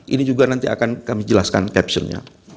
ini juga nanti akan kami jelaskan captionnya